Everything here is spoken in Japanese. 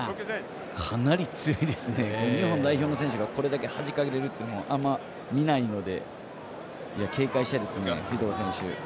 かなり強いですね日本代表の選手がこれだけ、はじかれるっていうのあんま見ないので警戒したいですね、フィドウ選手。